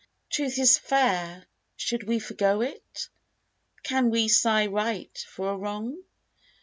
Truth is fair; should we forego it? Can we sigh right for a wrong